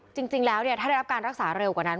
จริงแล้วถ้าได้รับการรักษาเร็วกว่านั้น